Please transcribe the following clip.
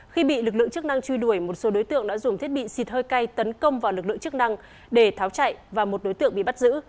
khi bị lực lượng chức năng truy đuổi một số đối tượng đã dùng thiết bị xịt hơi cay tấn công vào lực lượng chức năng để tháo chạy và một đối tượng bị bắt giữ